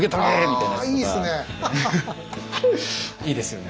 いいですよね。